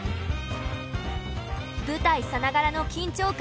舞台さながらの緊張感